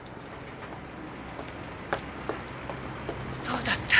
どうだった？